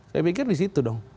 saya pikir di situ dong